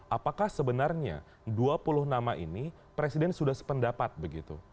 apakah sebenarnya dua puluh nama ini presiden sudah sependapat begitu